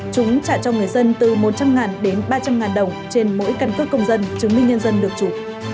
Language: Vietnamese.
chúng trả cho người dân từ một trăm linh đến ba trăm linh đồng trên mỗi căn cước công dân chứng minh nhân dân được chủ